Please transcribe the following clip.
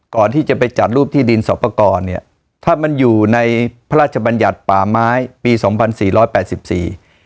ก่อนที่จะไปจัดรูปที่ดินสอบประกอบเนี้ยถ้ามันอยู่ในพระราชบัญญัติป่าไม้ปีสองพันสี่ร้อยแปดสิบสี่